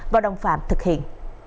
vào đông phạm thực hiện